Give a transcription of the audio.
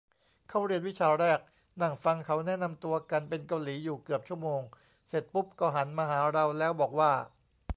เข้าเรียนวิชาแรก นั่งฟังเขาแนะนำตัวกันเป็นเกาหลีอยู่เกือบชั่วโมง เสร็จปุ๊บก็หันมาหาเราแล้วบอกว่า